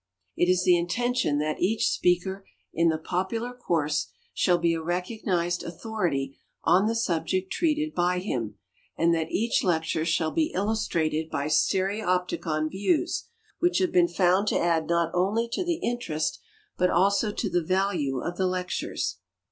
It is the intention that each speaker in the popular cour.se shall be a recognized authority on the subject treated by him, and that each lecture shall be illustrated by stereopticon views, which have been found to ad<l not only to the interest but also to tlie value of the lectures.